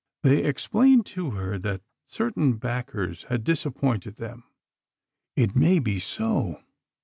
They explained to her that certain backers had disappointed them. It may be so.